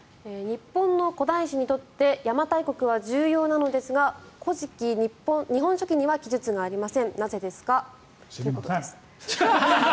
日本の古代史にとって邪馬台国は重要なのですが「古事記」「日本書紀」には記述がありません知りません。